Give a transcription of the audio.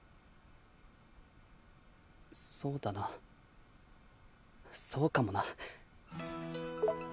そうだなそうかもな。